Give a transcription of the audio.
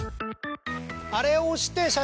あれを押して。